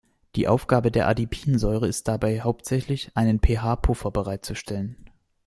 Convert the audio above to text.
Die Aufgabe der Adipinsäure ist dabei hauptsächlich, einen pH-Puffer bereitzustellen.